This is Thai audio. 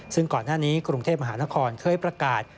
ซึ่งก่อนหน้านี้กรุงเทพมหานครเคยประกาศ